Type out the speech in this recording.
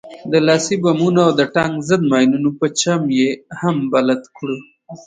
د لاسي بمونو او د ټانک ضد ماينونو په چم يې هم بلد کړو.